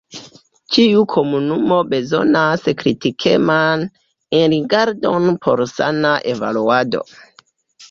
Ĉiu komunumo bezonas kritikeman enrigardon por sana evoluado.